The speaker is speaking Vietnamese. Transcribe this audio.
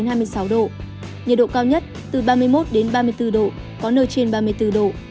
nhiệt độ cao nhất từ ba mươi một đến ba mươi bốn độ có nơi trên ba mươi bốn độ